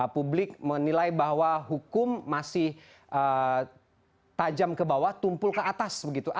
publik menilai bahwa hukum masih tajam ke bawah tumpul ke atas begitu